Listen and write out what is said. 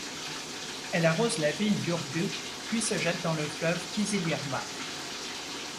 Elle arrose la ville d'Ürgüp, puis se jette dans le fleuve Kızılırmak.